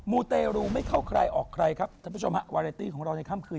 ูเตรูไม่เข้าใครออกใครครับท่านผู้ชมฮะวาเรตี้ของเราในค่ำคืน